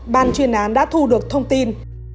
ban chuyên án đã thu được thông tin